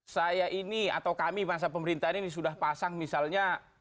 saya ini atau kami masa pemerintahan ini sudah pasang misalnya